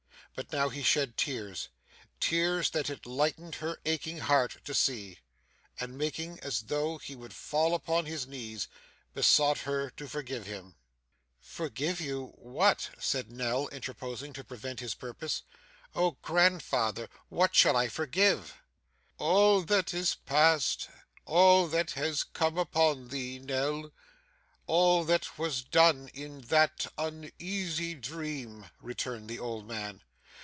But now he shed tears tears that it lightened her aching heart to see and making as though he would fall upon his knees, besought her to forgive him. 'Forgive you what?' said Nell, interposing to prevent his purpose. 'Oh grandfather, what should I forgive?' 'All that is past, all that has come upon thee, Nell, all that was done in that uneasy dream,' returned the old man.